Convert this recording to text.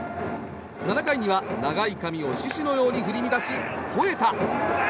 ７回には長い髪を獅子のように振り乱し、ほえた！